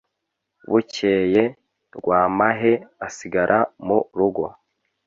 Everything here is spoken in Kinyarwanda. Bukeye Rwamahe asigara mu rugo